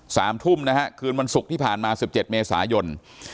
สามทุ่มนะฮะคืนวันศุกร์ที่ผ่านมาสิบเจ็ดเมษายน